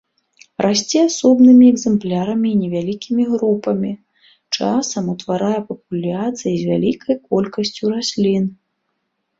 Расце асобнымі экземплярамі і невялікімі групамі, часам утварае папуляцыі з вялікай колькасцю раслін.